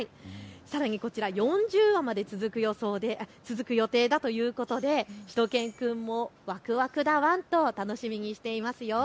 さらにこちら、４０話まで続く予定だということでしゅと犬くんもわくわくだワンと楽しみにしていますよ。